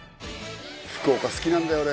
福岡好きなんだよ